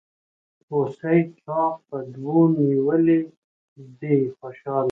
هوسۍ چا په دو نيولې دي خوشحاله